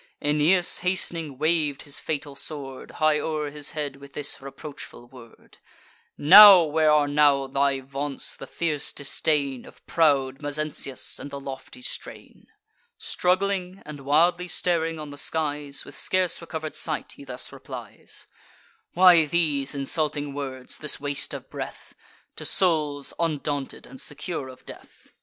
Aeneas, hast'ning, wav'd his fatal sword High o'er his head, with this reproachful word: "Now; where are now thy vaunts, the fierce disdain Of proud Mezentius, and the lofty strain?" Struggling, and wildly staring on the skies, With scarce recover'd sight he thus replies: "Why these insulting words, this waste of breath, To souls undaunted, and secure of death?